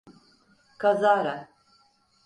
Kazara.